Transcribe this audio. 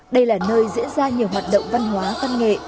đây là nơi diễn ra nhiều hoạt động văn hóa văn nghệ